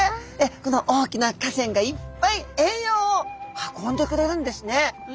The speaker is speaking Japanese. この大きな河川がいっぱい栄養を運んでくれるんですね。